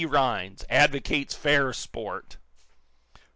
RHINDS ADVOCATES FAIR SPORT!